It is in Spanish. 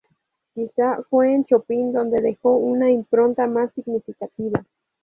Quizá fue en Chopin donde dejó una impronta más significativa.